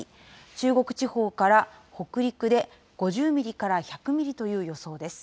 中国地方から北陸で５０ミリから１００ミリという予想です。